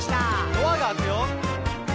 「ドアが開くよ」